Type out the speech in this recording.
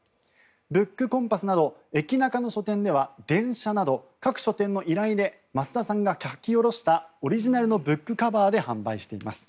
ブックコンパスなど電車など各書店の依頼で益田さんが書き下ろしたオリジナルのブックカバーで販売しています。